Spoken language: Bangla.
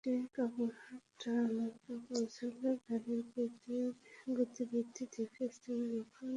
গাড়িটি কবুরহাট এলাকায় পৌঁছালে গাড়ির গতিবিধি দেখে স্থানীয় লোকজন এটিকে আটক করে।